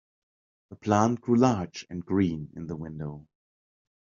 The plant grew large and green in the window.